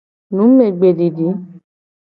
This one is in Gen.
Numegbedidi.